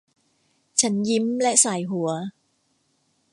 ฉันยิ้มและส่ายหัว